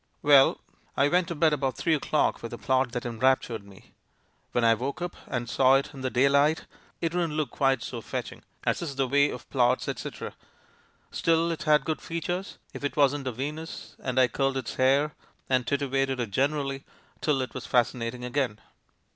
"Well, I went to bed about three o'clock with a plot that enraptured me. When I woke up and saw it in the daylight, it didn't look quite so fetch ing — as is the way of plots et cetera ; still, it had good features, if it wasn't a Venus, and I curled its hair, and titivated it generally, till it was fas cinating again.